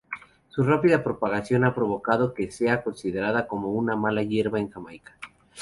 Su rápida propagación ha provocado que sea considerada como una mala hierba en Jamaica.